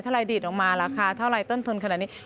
เท่าไหร่ดีดออกมาราคาเท่าไหร่ต้นทนขนาดนี้